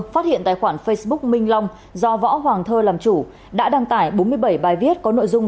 phát hiện tài khoản facebook minh long do võ hoàng thơ làm chủ đã đăng tải bốn mươi bảy bài viết có nội dung